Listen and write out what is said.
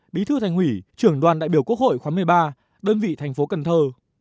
bí thư thành ủy trưởng đoàn đại biểu quốc hội khóa một mươi ba đơn vị thành phố cần thơ